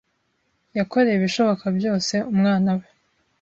Yakoreye ibishoboka byose umwana we.